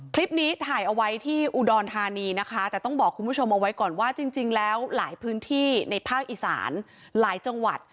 คลิปนี้ถ่ายเอาไว้ที่อุดรธานีนะคะแต่ต้องบอกคุณผู้ชมเอาไว้ก่อนว่าจริงแล้วหลายพื้นที่ในภาคอีสานหลายจังหวัด